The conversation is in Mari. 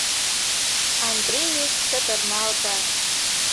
— Андреев чытырналте.